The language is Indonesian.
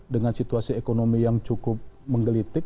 dengan situasi ekonomi yang cukup menggelitik